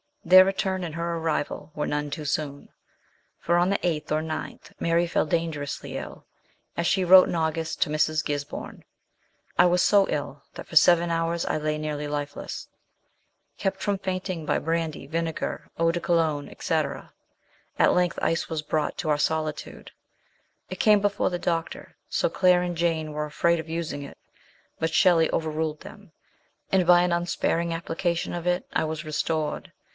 Their return and her arrival were none too soon ; for, on the 8th or 9th, Mary fell dangerously ill, as she wrote in August to Mrs. Gisborne :" I was so ill that for seven hours I lay nearly lifeless kept from fainting by brandy, vinegar, eau de cologne, &c. At length ice was brought to our solitude; it came before the doctor, so Claire and Jane were afraid of using it ; but Shelley over ruled them, and, by an unsparing appli cation of it, I was restored.